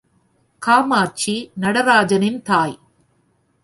காமாட்சி நடராஜனின் தாய்.